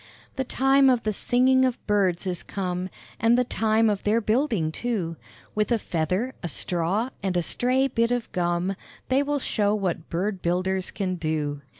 The time of the singing of birds is come, And the time of their building, too; With a feather, a straw and a stray bit of gum They will shew what bird builders can do.